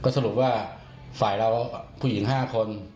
สรุปว่าฝ่ายเราผู้หญิง๕คน